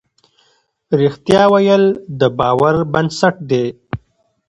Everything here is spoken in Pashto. رښتيا ويل د باور بنسټ دی.